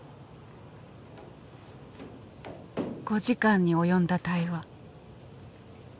５時間に及んだ対話。